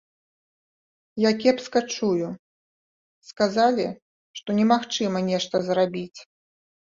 Я кепска чую, сказалі, што немагчыма нешта зрабіць.